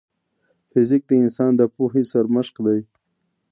فزیک د انسان د پوهې سرمشق دی.